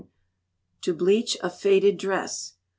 To Bleach a Faded Dress.